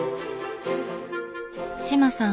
志麻さん